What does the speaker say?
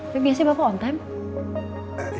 tapi biasanya bapak on time